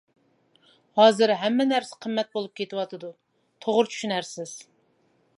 ھازىر ھەممە نەرسە قىممەت بولۇپ كېتىۋاتىدۇ، توغرا چۈشىنەرسىز.